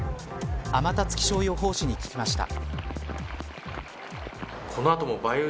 天達気象予報士に聞きました。